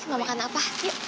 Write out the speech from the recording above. mau makan apa